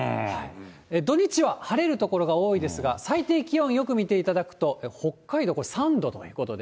土日は晴れる所が多いですが、最低気温よく見ていただくと、北海道、これ３度ということで。